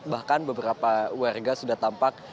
bahkan beberapa warga sudah tampak